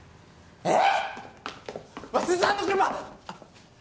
えっ？